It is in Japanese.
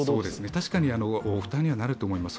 確かに負担にはなると思います。